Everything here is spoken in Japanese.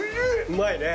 うまいね。